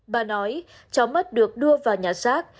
bà nói cháu mất được đưa vào nhà xác